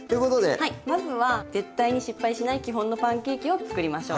はいまずは絶対に失敗しない基本のパンケーキを作りましょう。